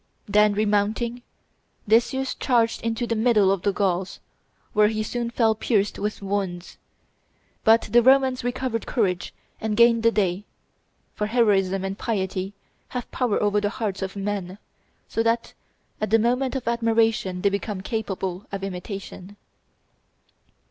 Then remounting, Decius charged into the middle of the Gauls, where he soon fell pierced with wounds; but the Romans recovered courage and gained the day; for heroism and piety have power over the hearts of men, so that at the moment of admiration they become capable of imitation.